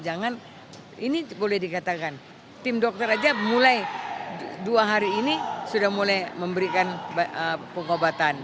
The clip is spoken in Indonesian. jangan ini boleh dikatakan tim dokter saja mulai dua hari ini sudah mulai memberikan pengobatan